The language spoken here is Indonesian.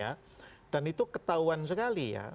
ya dan itu ketahuan sekali ya